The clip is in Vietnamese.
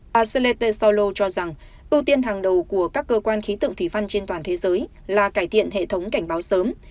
bà senle tes solo cho rằng ưu tiên hàng đầu của các cơ quan khí tượng thủy văn trên toàn thế giới là cải thiện hệ thống cảnh báo sớm